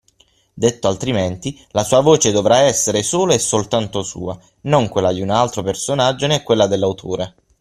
Detto altrimenti, la sua voce dovrà essere solo e soltanto sua, non quella di un un altro personaggio né quella dell’autore.